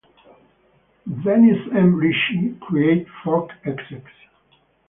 Dennis M. Ritchie created fork-exec.